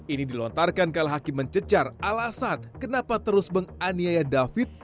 ini dilontarkan kalau hakim mencecar alasan kenapa terus menganiaya david